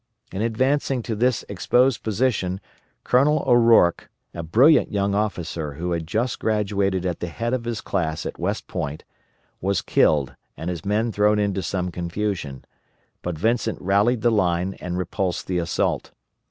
In advancing to this exposed position, Colonel O'Rorke, a brilliant young officer who had just graduated at the head of his class at West Point, was killed and his men thrown into some confusion, but Vincent rallied the line and repulsed the assault.